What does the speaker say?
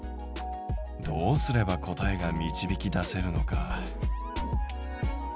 どうすれば答えが導き出せるのか。